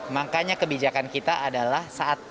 makanya kebijakan kita adalah